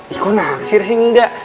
aku naksir sih enggak